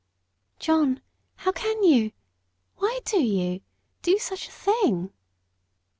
"John, how can you why do you do such a thing?"